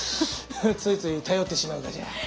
ついつい頼ってしまうがじゃ。